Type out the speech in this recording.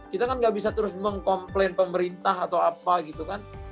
kita kan gak bisa terus mengkomplain pemerintah atau apa gitu kan